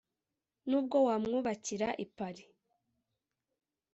Nubwo wamwubakira i pari